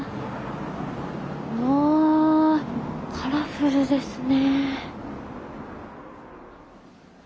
うわカラフルですね。